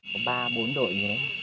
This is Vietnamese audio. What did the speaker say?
có ba bốn đội